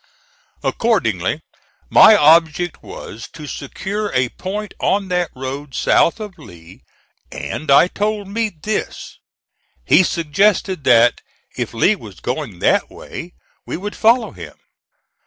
Accordingly my object was to secure a point on that road south of Lee, and I told Meade this. He suggested that if Lee was going that way we would follow him.